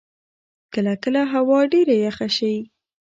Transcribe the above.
کله کله هوا ډېره یخه شی.